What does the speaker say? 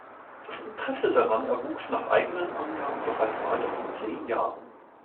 Das Interesse daran erwuchs nach eigenen Angaben bereits im Alter von zehn Jahren.